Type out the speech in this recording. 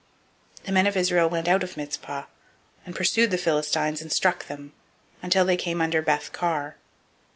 007:011 The men of Israel went out of Mizpah, and pursued the Philistines, and struck them, until they came under Beth Kar.